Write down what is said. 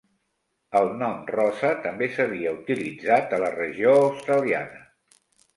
El nom Rosa també s'havia utilitzat a la regió australiana.